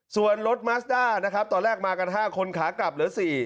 ส่วนรถมัสด้านะครับตอนแรกมากัน๕คนขากลับเหลือ๔